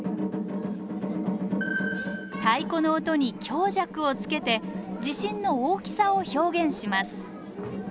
太鼓の音に強弱をつけて地震の大きさを表現します。